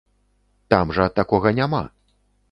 Там жа такога няма.